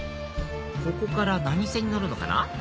ここから何線に乗るのかな？